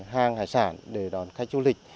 hàng hải sản để đón khách du lịch